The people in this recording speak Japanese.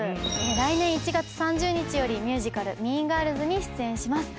来年１月３０日よりミュージカル『ＭＥＡＮＧＩＲＬＳ』に出演します。